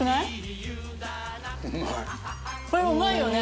これうまいよね？